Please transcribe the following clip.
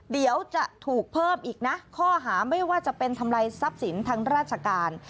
เดี๋ยวจะถูกเพิ่มอีกนะข้อหาไม่ว่าจะเป็นทำลายทรัพย์สินทางราชการ